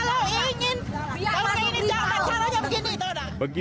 kalau ingin kalau ingin jalan caranya begini